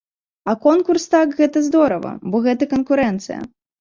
А конкурс, так, гэта здорава, бо гэта канкурэнцыя.